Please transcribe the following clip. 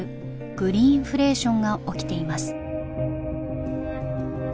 グリーンフレーションが起きています。